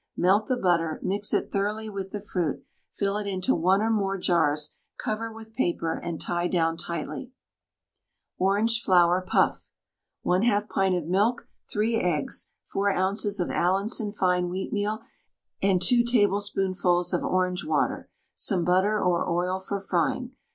Melt the butter, mix it thoroughly with the fruit, fill it into one or more jars, cover with paper, and tie down tightly. ORANGE FLOWER PUFF. 1/2 pint of milk, 3 eggs, 4 ozs. of Allinson fine wheatmeal, and 2 tablespoonfuls of orange water, some butter or oil for frying.